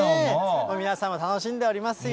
皆さん、楽しんでおりますよ。